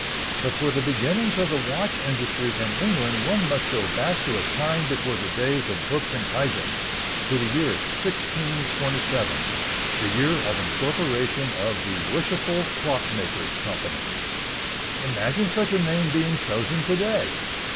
But for the beginnings of the watch industry in England one must go back to a time before the days of Hooke and Huyghens, to the year 1627, the year of incorporation of the Worshipful Clock makers, Company. Imagine such a name being chosen to day!